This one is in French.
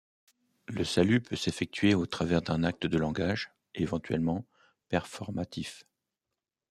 Le salut peut s'effectuer au travers d'un acte de langage, éventuellement performatif.